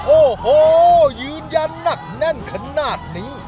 โอ้โหยืนยันหนักแน่นขนาดนี้